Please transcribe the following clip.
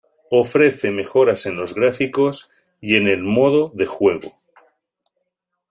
Ofrece mejoras en los gráficos y en el modo de juego.